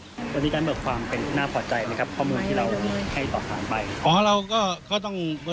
วันนี้ท่านบอกว่าความเป็นหน้าปลอดใจไหมครับข้อมูลที่เราให้ต่อผ่านไป